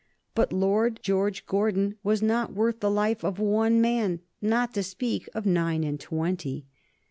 But Lord George Gordon was not worth the life of one man, not to speak of nine and twenty.